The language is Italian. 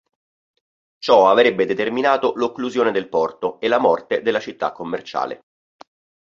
Ciò avrebbe determinato l'occlusione del porto e la morte della città commerciale.